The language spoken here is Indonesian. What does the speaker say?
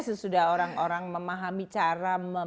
sesudah orang orang memahami cara